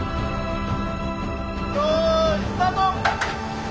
よいスタート！